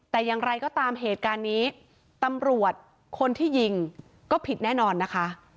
แต่อย่างไรก็ตามเหตุการณ์นี้ตำรวจคนที่ยิงก็ผิดแน่นอนนะคะ